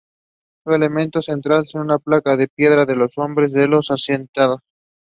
The main factors involved in the development of dry socket are discussed below.